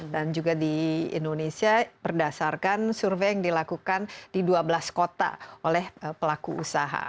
dan juga di indonesia berdasarkan survei yang dilakukan di dua belas kota oleh pelaku usaha